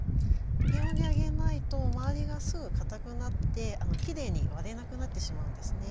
低温で揚げないと周りがすぐかたくなってきれいに割れなくなってしまうんですね。